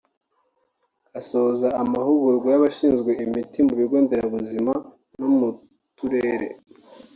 Asoza amahugurwa y’abashinzwe imiti mu bigo nderabuzima no mu turere